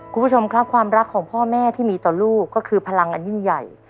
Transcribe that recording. คุณผู้ชมครับความรักของพ่อแม่ที่มีต่อลูกก็คือพลังอันยิ่งใหญ่